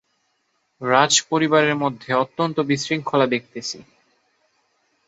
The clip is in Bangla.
রাজপরিবারের মধ্যে অত্যন্ত বিশৃঙ্খলা দেখিতেছি!